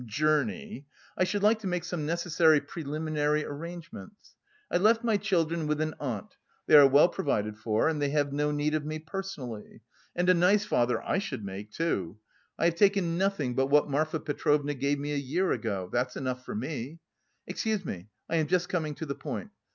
journey, I should like to make some necessary preliminary arrangements. I left my children with an aunt; they are well provided for; and they have no need of me personally. And a nice father I should make, too! I have taken nothing but what Marfa Petrovna gave me a year ago. That's enough for me. Excuse me, I am just coming to the point.